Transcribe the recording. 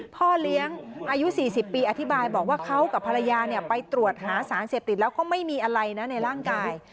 พ่อเลี้ยงอายุ๔๐ปีอธิบายบอกว่าเขากับภรรยาไปตรวจหาสารเสพติดแล้วก็ไม่มีอะไรนะในร่างกาย